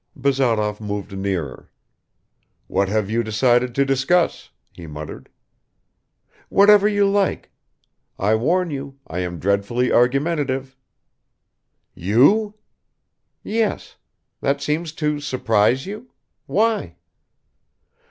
Bazarov moved nearer. "What have you decided to discuss?" he muttered. "Whatever you like. I warn you, I am dreadfully argumentative." "You?" "Yes. That seems to surprise you. Why?"